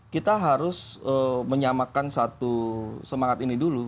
kita harus menyamakan satu semangat ini dulu